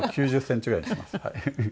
９０センチぐらいにします。